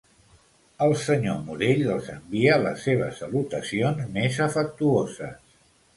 El senyor Morell els envia les seves salutacions més afectuoses.